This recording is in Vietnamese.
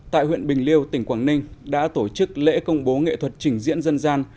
tại huyện bình liêu tỉnh quảng ninh đã tổ chức lễ công bố nghệ thuật trình diễn dân gian